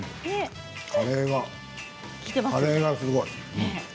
カレーがすごい。